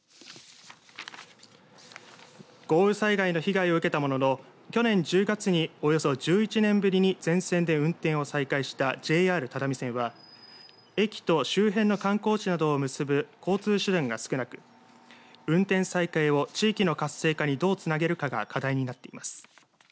豪雨災害の被害を受けたものの去年１０月におよそ１１年ぶりに全線で運転を再開したＪＲ只見線は駅と周辺の観光地などを結ぶ交通手段が少なく運転再開を地域の活性化にどうつなげるかが課題になっています。